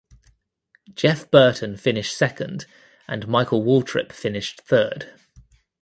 Jeff Burton finished second and Michael Waltrip finished third.